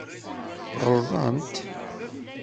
Ɣelḍent.